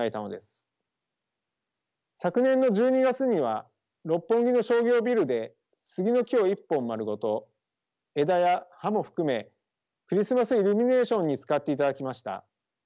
昨年の１２月には六本木の商業ビルでスギの木を１本まるごと枝や葉も含めクリスマスイルミネーションに使っていただきました。